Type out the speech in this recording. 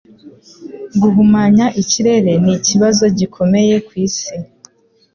Guhumanya ikirere nikibazo gikomeye kwisi